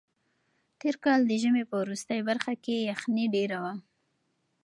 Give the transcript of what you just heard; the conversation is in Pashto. تېر کال د ژمي په وروستۍ برخه کې یخنۍ ډېره وه.